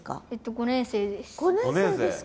５年生ですか。